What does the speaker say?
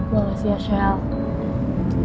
gak lah sih ya shell